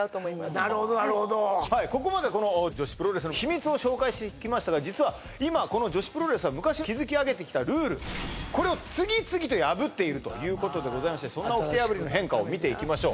なるほどなるほどここまで女子プロレスの秘密を紹介してきましたが実は今この女子プロレスは昔築き上げてきたルールこれを次々と破っているということでございましてそんな掟破りの変化を見ていきましょう